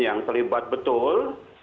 yang terlibat betul